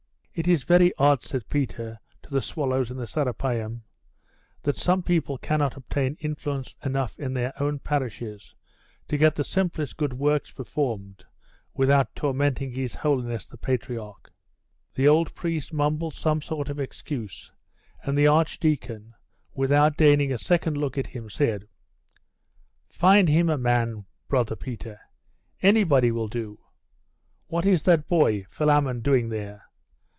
'It is very odd,' said Peter to the swallows in the Serapeium, 'that some people cannot obtain influence enough in their own parishes to get the simplest good works performed without tormenting his holiness the patriarch.' The old priest mumbled some sort of excuse, and the archdeacon, without deigning a second look at him, said 'Find him a man, brother Peter. Anybody will do. What is that boy Philammon doing there?